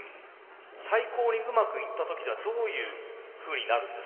最高にうまくいった時ではどういうふうになるんですか？